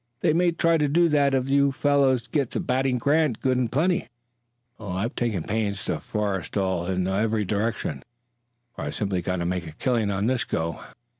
They may try to do that if you fellows get to batting Grant good and plenty. Oh, I've taken pains to forestall in every direction, for I've simply got to make a killing on this go.